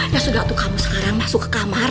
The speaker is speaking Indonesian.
ya sudah tuh kamu sekarang masuk ke kamar